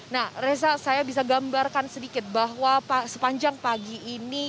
nah reza saya bisa gambarkan sedikit bahwa sepanjang pagi ini